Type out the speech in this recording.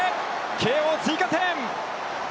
慶応追加点。